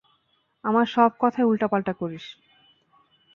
আমার সব কথায় উল্টাপাল্টা করিস।